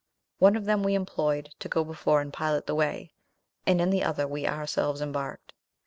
One of them we employed to go before and pilot the way, and in the other we ourselves embarked.